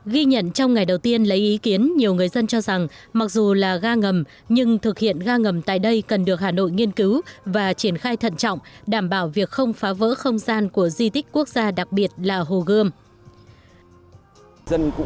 ghi nhận trong ngày đầu tiên lấy ý kiến nhiều người dân cho rằng mặc dù là ga ngầm nhưng thực hiện ga ngầm tại đây cần được hà nội nghiên cứu và triển khai thận trọng đảm bảo việc không phá vỡ không gian của di tích quốc gia đặc biệt là hồ gươm